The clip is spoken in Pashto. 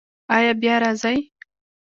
ایا بیا راځئ؟